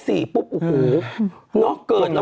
ช่วงนั้นพ่อเกิด